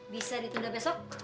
bisa ditunda besok